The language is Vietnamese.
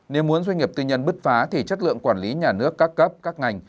nếu muốn doanh nghiệp tư nhân bứt phá thì chất lượng quản lý nhà nước các cấp các ngành